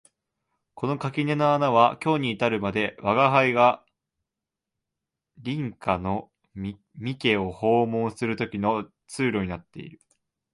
この垣根の穴は今日に至るまで吾輩が隣家の三毛を訪問する時の通路になっている